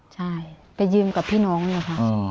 ใช่ไปยืมกับพี่น้องเนี่ยค่ะ